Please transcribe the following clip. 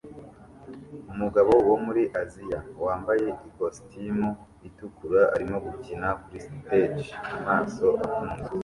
Umugabo wo muri Aziya wambaye ikositimu itukura arimo gukina kuri stage amaso afunze